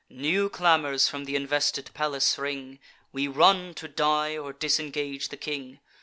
New clamours from th' invested palace ring: We run to die, or disengage the king.